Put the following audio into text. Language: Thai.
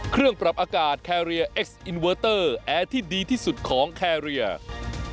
เครื่องปรับอากาศแอร์ที่ดีที่สุดของแครียร์